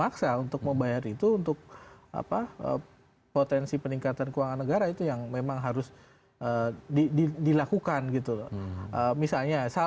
kami akan segera mengulasnya